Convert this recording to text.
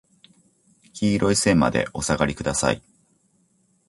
黄色い線までお下りください。